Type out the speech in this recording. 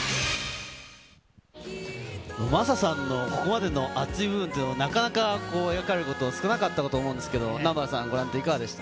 マサさんの、ここまでの熱い部分というのも、なかなか描かれること少なかったと思うんですけど、南原さん、ご覧になっていかがでした？